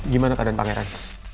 gimana keadaan pangeran